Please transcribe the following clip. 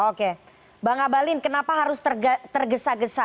oke bang abalin kenapa harus tergesa gesa